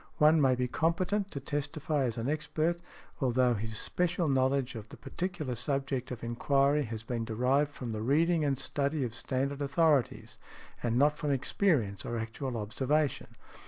One may be competent to testify as an expert, although his special knowledge of the particular subject of enquiry has been derived from the reading and study of standard authorities, and not from experience or actual observation.